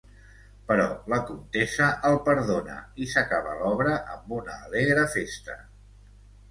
Però la comtessa el perdona i s'acaba l'obra amb una alegre festa.